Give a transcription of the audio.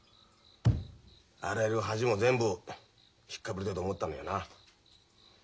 あらゆる恥も全部ひっかぶりてえと思ったのよな。